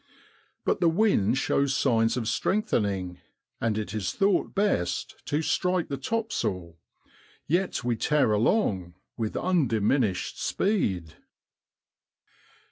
But the wind shows signs of strengthening, and it is thought best to strike the topsail. Yet we tear along with undiminished speed.